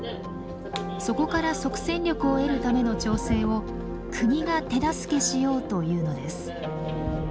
そこから即戦力を得るための調整を国が手助けしようというのです。